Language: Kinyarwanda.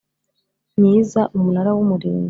myiza Umunara w Umurinzi